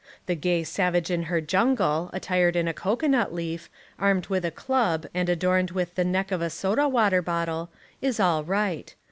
The gay savage in her jungle, attired in a cocoanut leaf, armed with a club and adorned with the neck of a soda water bottle, is all right.